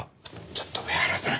ちょっと上原さん！